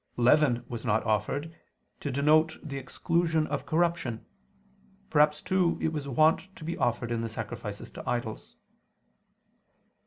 Leaven was not offered, to denote the exclusion of corruption. Perhaps too, it was wont to be offered in the sacrifices to idols.